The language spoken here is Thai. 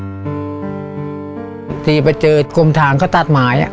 ตอนที่มาเจอกลมทางก็ตัดหมาย